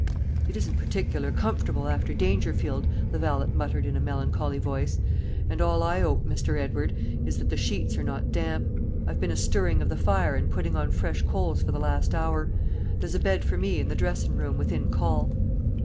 "It isn't particular comfortable, after Dangerfield," the valet muttered in a melancholy voice; "and all I 'ope, Mr. Edward, is, that the sheets are not damp. I've been a stirrin' of the fire and puttin' on fresh coals for the last hour. There's a bed for me in the dressin' room, within call."